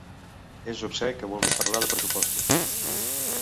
És obscè que vulgui parlar de pressuposts.